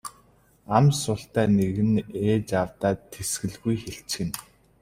Ам султай нэг нь ээж аавдаа тэсгэлгүй хэлчихнэ.